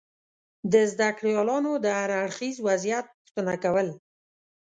د زده کړیالانو دهر اړخیز وضعیت پوښتنه کول